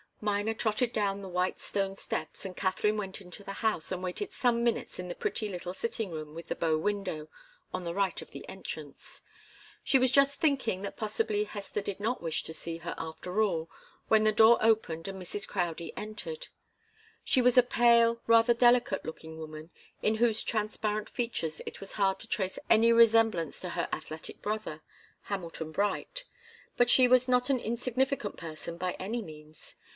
Miner trotted down the white stone steps and Katharine went into the house, and waited some minutes in the pretty little sitting room with the bow window, on the right of the entrance. She was just thinking that possibly Hester did not wish to see her, after all, when the door opened and Mrs. Crowdie entered. She was a pale, rather delicate looking woman, in whose transparent features it was hard to trace any resemblance to her athletic brother, Hamilton Bright. But she was not an insignificant person by any means.